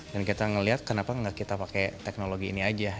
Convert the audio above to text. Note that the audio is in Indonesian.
dan kita melihat kenapa nggak kita pakai teknologi ini aja